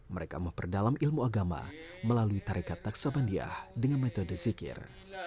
mereka memperdalam ilmu agama melalui tarekat naksabandia dengan metode zikir